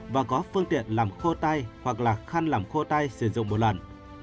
và có phương tiện làm khô tay hoặc là khăn làm khô tay sử dụng một lần